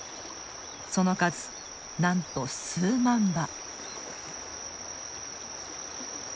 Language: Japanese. その数なんと数万羽！